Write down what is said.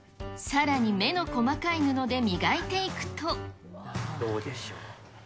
さらに目の細かい布で磨いてどうでしょう。